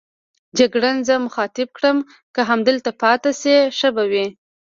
جګړن زه مخاطب کړم: که همدلته پاتې شئ ښه به وي.